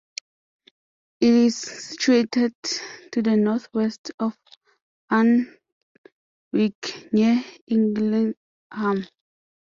It is situated to the north-west of Alnwick, near Eglingham.